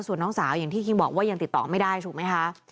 ส่วนน้องสาวอย่างที่คิงบอกว่ายังติดต่อไม่ได้ถูกไหมคะ